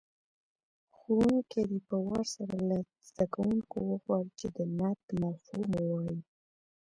ښوونکی دې په وار سره له زده کوونکو وغواړي چې د نعت مفهوم ووایي.